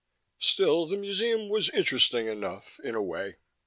Still, the museum was interesting enough, in a way.